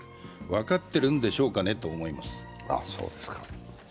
分かってるんでしょうかねと思います。